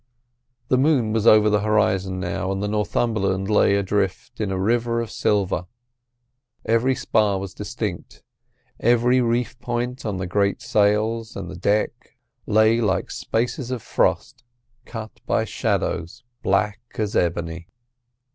The moon was over the horizon now, and the Northumberland lay adrift in a river of silver. Every spar was distinct, every reef point on the great sails, and the decks lay like spaces of frost cut by shadows black as ebony.